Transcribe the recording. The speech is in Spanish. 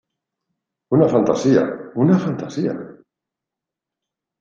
¡ una fantasía! ¡ una fantasía !...